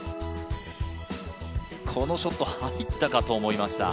このショット、入ったかと思いました。